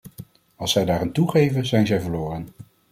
Als zij daaraan toegeven, zijn zij verloren.